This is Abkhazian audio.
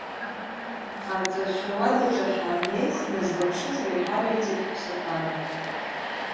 Арҵаҩцәа руадаҿы ҳаннеи сназлаԥшыз реиҳараҩӡак ҳәсақәан.